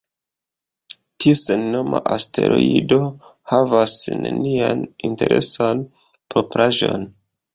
Tiu sennoma asteroido havas nenian interesan propraĵon.